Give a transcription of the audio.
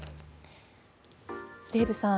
デーブさん